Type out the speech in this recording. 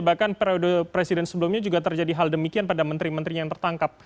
bahkan periode presiden sebelumnya juga terjadi hal demikian pada menteri menteri yang tertangkap